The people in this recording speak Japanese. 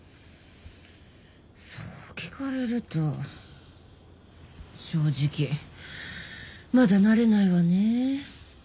そう聞かれると正直まだ慣れないわねぇ。